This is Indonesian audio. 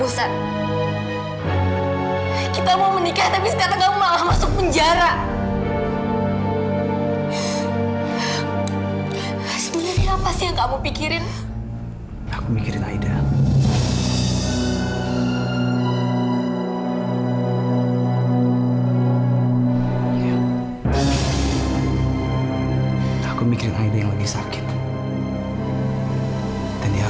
sampai jumpa di video selanjutnya